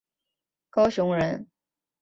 高雄人。